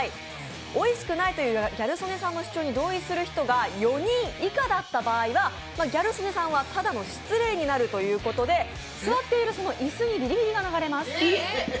おいしくないというギャル曽根さんの主張に同意する人が４人以下だった場合はギャル曽根さんはただの失礼になるということで座っているその椅子にビリビリが流れます。